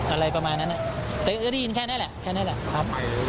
อะไรประมาณนั้นแต่ก็ได้ยินแค่นี้แหละแค่นั้นแหละครับ